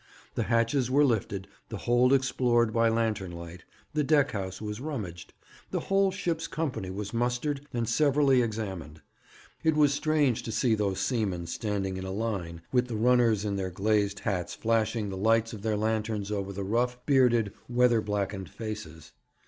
The hatches were lifted, the hold explored by lantern light, the deck house was rummaged, the whole ship's company was mustered and severally examined. It was strange to see those seamen standing in a line, with the runners in their glazed hats flashing the light of their lanterns over their rough, bearded, weather blackened faces.